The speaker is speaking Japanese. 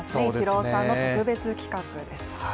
イチローさんの特別企画です。